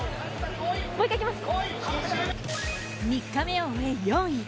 ３日目を終え、４位。